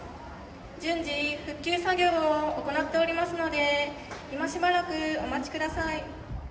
順次、復旧作業を行っておりますので、今しばらくお待ちください。